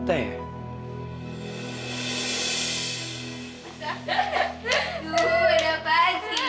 tuh udah pas sih